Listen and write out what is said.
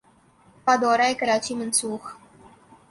کا دورہ کراچی منسوخ